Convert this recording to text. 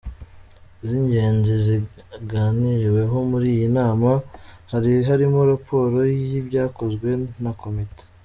z’ingenzi zaganiriweho muri iyo nama, hari harimo raporo y’ibyakozwe na Komite